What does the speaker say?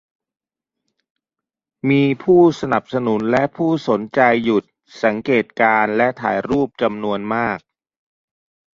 มีผู้สนับสนุนและผู้สนใจหยุดสังเกตการณ์และถ่ายรูปจำนวนมาก